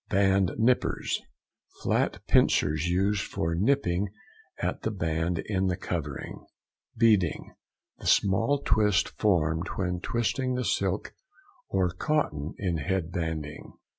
BAND NIPPERS.—Flat pincers used for nipping up the band in covering. BEADING.—The small twist formed when twisting the silk or cotton in head banding.